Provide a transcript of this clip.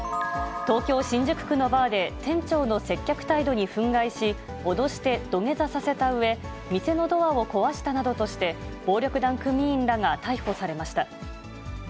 東京・新宿区のバーで、店長の接客態度に憤慨し、脅して土下座させたうえ、店のドアを壊したなどとして、暴力団組員らが逮捕されました。